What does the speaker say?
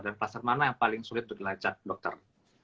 dan klaster mana yang paling sulit untuk dilacak dokter